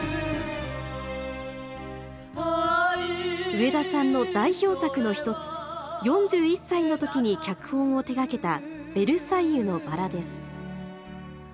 植田さんの代表作の一つ４１歳の時に脚本を手がけた「ベルサイユのばら」です。